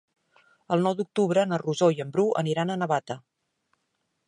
El nou d'octubre na Rosó i en Bru aniran a Navata.